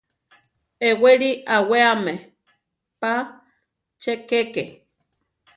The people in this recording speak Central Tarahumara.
Eʼwéli awéame pa che kéke.